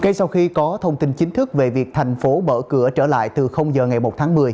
ngay sau khi có thông tin chính thức về việc tp hcm bở cửa trở lại từ giờ ngày một tháng một mươi